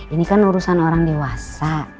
ini kan urusan orang dewasa